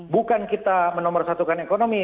bukan kita menomorsatukan ekonomi